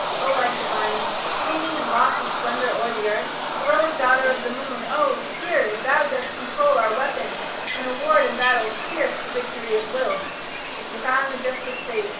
O light divine, Gleaming in lofty splendour o'er the earth Heroic daughter of the moon, oh! hear; Thou dost control our weapons and award In battles fierce the victory at will crown'd majestic Fate.